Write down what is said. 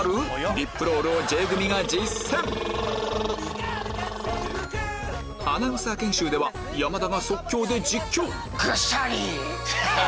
リップロールをＪ組が実践アナウンサー研修では山田が即興で実況グッシャリ！